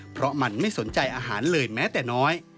เพราะมันไม่สนใจอาหารเลยแม้แต่น้อย